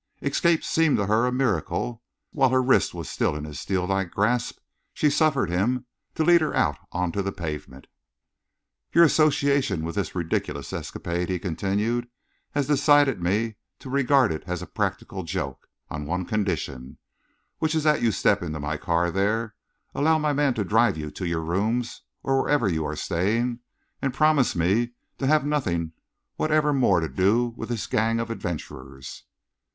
Escape seemed to her a miracle. With her wrist still in his steel like grasp, she suffered him to lead her out on to the pavement. "Your association with this ridiculous escapade," he continued, "has decided me to regard it as a practical joke, on one condition: which is that you step into my car there, allow my man to drive you to your rooms, or wherever you are staying, and promise me to have nothing whatever more to do with this gang of adventurers."